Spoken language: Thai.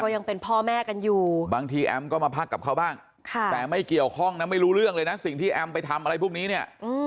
ยังเป็นพ่อแม่กันอยู่บางทีแอมก็มาพักกับเขาบ้างแต่ไม่เกี่ยวข้องนะไม่รู้เรื่องเลยนะสิ่งที่แอมไปทำอะไรพวกนี้เนี่ย